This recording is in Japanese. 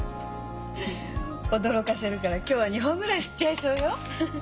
驚かせるから今日は２本ぐらい吸っちゃいそうよフフフ。